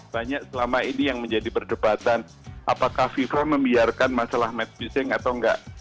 banyak selama ini yang menjadi perdebatan apakah viva membiarkan masalah match fishing atau enggak